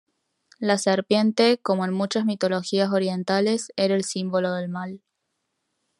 La serpiente, como en muchas mitologías orientales, era el símbolo del mal.